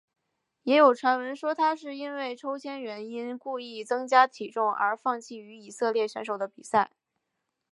也有传闻说他是因为抽签原因故意增加体重而放弃与以色列选手的比赛。